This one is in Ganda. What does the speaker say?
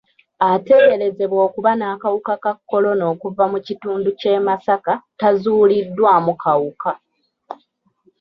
Ateeberezebwa okuba n'akawuka ka kolona okuva mu kitundu ky'e Masaka tazuuliddwamu kawuka.